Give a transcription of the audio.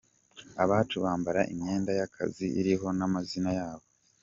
Abacu bambara imyenda y’akazi iriho n’amazina yabo.